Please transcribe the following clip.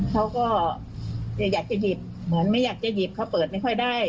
เขาก็อยากจะหยิบเหมือนไม่อยากจะหยิบเขาเปิดไม่ค่อยได้